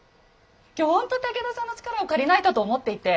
今日ほんと武田さんの力を借りないとと思っていて。